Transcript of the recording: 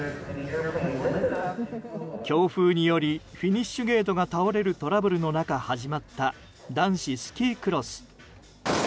強風によりフィニッシュゲートが倒れるトラブルの中始まった、男子スキークロス。